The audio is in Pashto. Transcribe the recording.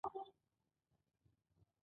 باد په ونو کې د موسیقۍ په څیر غږونه جوړول